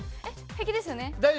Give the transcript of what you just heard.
平気ですよ。